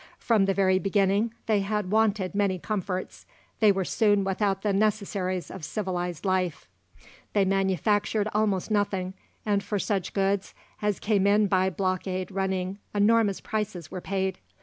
From the very beginning, they had wanted many comforts; they were soon without the necessaries of civilised life. They manufactured almost nothing, and for such goods as came in by blockade running enormous prices were paid.